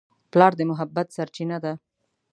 پلار د محبت سرچینه ده.